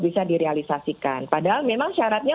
bisa direalisasikan padahal memang syaratnya